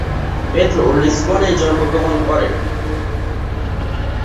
Pedro লিসবনে জন্মগ্রহণ করেন।